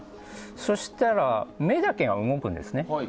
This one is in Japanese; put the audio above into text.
そしたら、目だけが動くんですね。